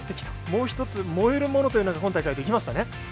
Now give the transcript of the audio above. もう１つ燃えるものというのが今大会できましたね。